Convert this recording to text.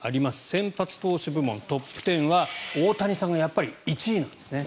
先発投手部門トップ１０は大谷さんが１位なんですね。